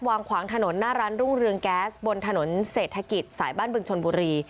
วางขวางถนนหน้าร้านรุ่งเรืองแก๊สบนถนนเศรษฐกิจสายบ้านบึงชนบุรี